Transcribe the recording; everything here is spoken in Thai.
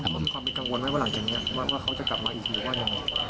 เขามีความเป็นกังวลไหมว่าหลังจากนี้ว่าเขาจะกลับมาอีกหรือว่ายังไง